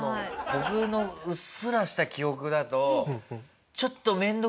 僕のうっすらした記憶だと。